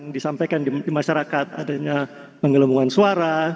disampaikan di masyarakat adanya penggelembungan suara